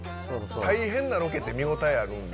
大変なロケって見ごたえあるんで。